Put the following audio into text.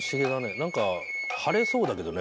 何か晴れそうだけどね